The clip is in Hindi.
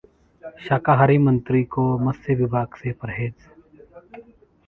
शाकाहारी मंत्री को मत्स्य विभाग से परहेज